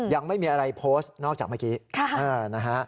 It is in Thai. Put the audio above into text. ยังไม่มีอะไรพดนอกจากเมื่อกี้